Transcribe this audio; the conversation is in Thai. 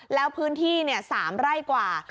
แล้วพื้นที่เนี่ย๓ไร่กว่า